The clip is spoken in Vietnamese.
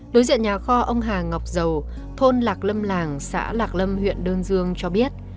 đối diện nhà kho ông hà ngọc giàu thôn lạc lâm làng xã lạc lâm huyện đơn dương cho biết